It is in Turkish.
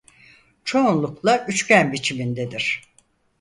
Çoğunlukla üçgen biçimindedir.